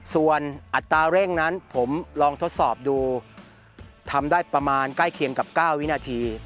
ส่วนอัตราเร่งนั้นผมลองทดสอบดูทำได้ประมาณใกล้เคียงกับ๙วินาที